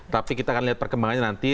tapi kita akan lihat perkembangannya nanti